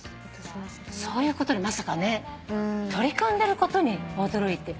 そういうことにまさかね取り組んでることに驚いて。